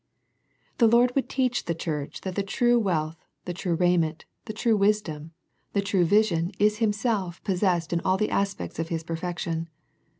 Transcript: The Lord would teach the church that the true wealth, the true raiment, the true wisdom, the true vision is Himself possessed in all the aspects of His perfection.